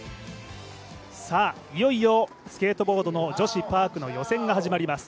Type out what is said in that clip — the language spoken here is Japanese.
いよいよスケートボードの女子パークの予選が始まります。